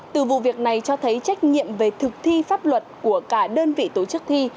từ vụ việc này cho thấy trách nhiệm về thực thi pháp luật của cả đơn vị tổ chức thi